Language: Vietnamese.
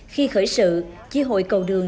khi khởi sự chi hội cầu đường